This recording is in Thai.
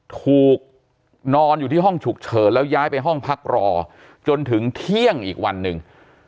ถูกนอนอยู่ที่ห้องฉุกเฉินแล้วย้ายไปห้องพักรอจนถึงเที่ยงอีกวันหนึ่ง